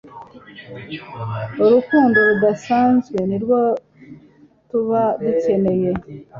Urukundo Rudasanzwe nirwo tuba dukeneye